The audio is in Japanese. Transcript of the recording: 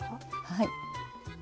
はい。